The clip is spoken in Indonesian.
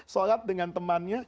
solat dengan temannya